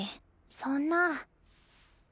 そんな。